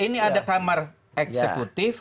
ini ada kamar eksekutif